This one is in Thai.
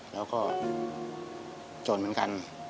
แล้วก็จนเหมือนกัน